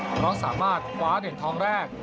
เพราะสามารถคว้าเหรียญทองแรก